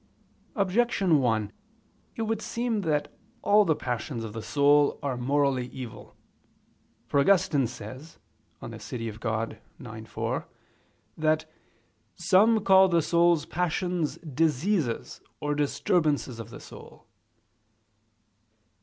Objection 1: It would seem that all the passions of the soul are morally evil. For Augustine says (De Civ. Dei ix, 4) that "some call the soul's passions diseases or disturbances of the soul" [*Cf.